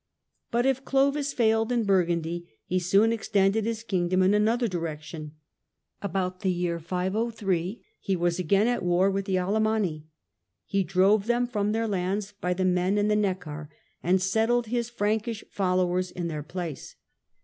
But if Clovis failed in Burgundy he soon extended Alemanni his kingdom in another direction. About the year 503 he was again at war with the Alemanni. He drove them from their lands by the Maine and Neckar, and settled his Frankish followers in their place.